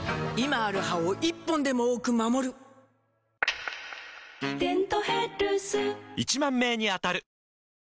今ある歯を１本でも多く守る「デントヘルス」１０，０００名に当たる！